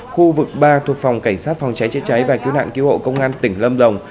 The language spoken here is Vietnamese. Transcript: khu vực ba thuộc phòng cảnh sát phòng cháy chế cháy và cứu nạn cứu hộ công an tỉnh lâm đồng